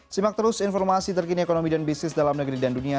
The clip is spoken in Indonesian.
simak terus informasi terkini ekonomi dan bisnis dalam negeri dan dunia